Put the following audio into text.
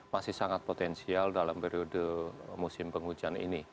masih sangat potensial dalam periode musim penghujan ini